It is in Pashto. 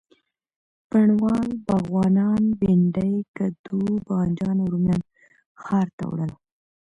بڼوال، باغوانان، بینډۍ، کدو، بانجان او رومیان ښار ته وړل.